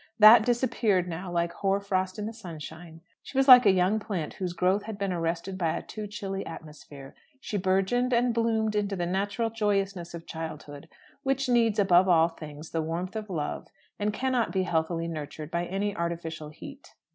That disappeared now like hoar frost in the sunshine. She was like a young plant whose growth had been arrested by a too chilly atmosphere. She burgeoned and bloomed into the natural joyousness of childhood, which needs, above all things, the warmth of love, and cannot be healthily nurtured by any artificial heat.